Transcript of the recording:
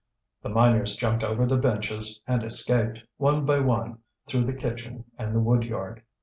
The miners jumped over the benches, and escaped, one by one, through the kitchen and the wood yard.